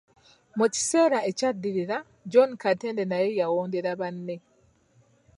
Mu kiseera ekyaddirira John Katende naye yawondera banne.